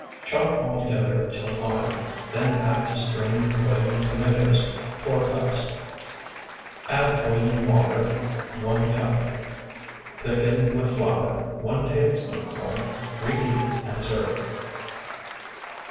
Chop all together till fine, then add to strained boiling tomatoes, four cups; add boiling water, one cup; thicken with flour, one tablespoonful; reheat and serve.